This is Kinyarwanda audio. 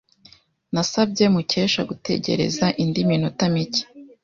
Nasabye Mukesha gutegereza indi minota mike.